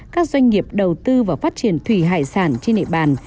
các doanh nghiệp đầu tư vào phát triển thủy hải sản trên địa bàn